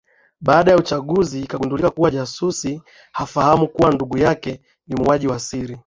Baada ya uchunguzi ikagundulika kua jasusi hafahamu kua ndugu yake ni muuaji wa siri